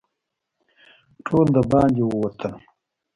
ټول د باندې ووتل.